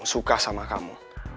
suka sama kamu